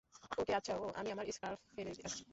ওকে আচ্ছা ওহ, আমি আমার স্কার্ফ ফেলে আসছি।